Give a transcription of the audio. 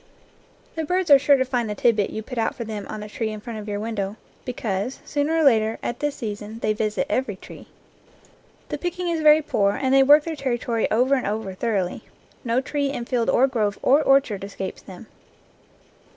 The birds are sure to find the tidbit you put out for them on the tree in front of your window, be cause, sooner or later, at this season, they visit every tree. The picking is very poor and they work their territory over and over thoroughly. No tree in field or grove or orchard escapes them.